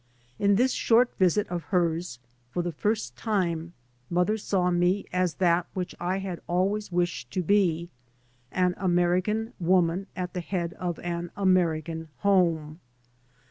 In this short visit of hers, for the first time mother saw me as that which I had always wished to be, an' Ameri can woman at the head of an American home.